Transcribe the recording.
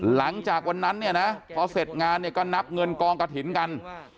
หลังจากวันนั้นเนี่ยนะพอเสร็จงานเนี่ยก็นับเงินกองกระถิ่นกัน